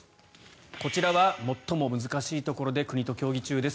こちらは最も難しいところで国と協議中です。